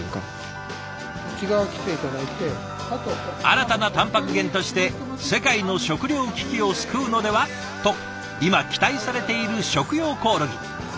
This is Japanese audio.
新たなたんぱく源として世界の食糧危機を救うのでは？と今期待されている食用コオロギ。